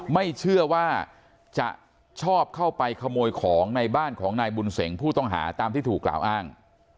ไม่เชื่อว่าจะชอบเข้าไปขโมยของในบ้านของนายบุญเสงผู้ต้องหาตามที่ถูกกล่าวอ้าง